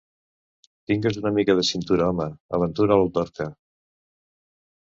Tingues una mica de cintura, home! —aventura el Dorca.